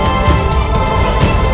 aku ingin menangkapmu